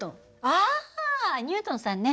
あニュートンさんね。